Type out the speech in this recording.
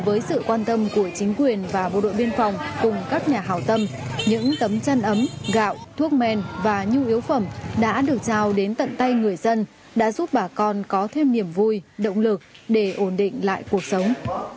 với sự quan tâm của chính quyền và bộ đội biên phòng cùng các nhà hào tâm những tấm chăn ấm gạo thuốc men và nhu yếu phẩm đã được trao đến tận tay người dân đã giúp bà con có thêm niềm vui động lực để ổn định lại cuộc sống